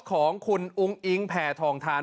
ของคุณอุ้งอิงแผ่ทองทาน